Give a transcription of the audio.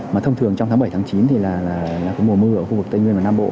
mà thông thường trong tháng bảy chín thì là cái mùa mưa ở khu vực tây nguyên và nam bộ